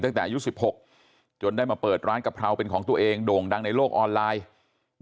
ตั้งแต่อายุ๑๖จนได้มาเปิดร้านกะเพราเป็นของตัวเองโด่งดังในโลกออนไลน์